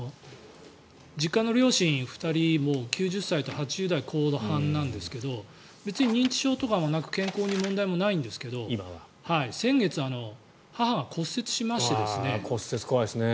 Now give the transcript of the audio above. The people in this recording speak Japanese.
実家の両親２人、もう９０歳と８０代後半なんですけど別に認知症とかもなく健康に問題もないんですけど骨折、怖いですね。